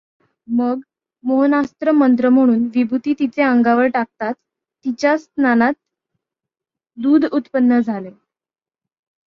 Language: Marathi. मग मोहनास्त्र मंत्र म्हणून विभूति तिचे अंगावर टाकताच, तिच्या स्तनात दूध उत्पन्न झाले.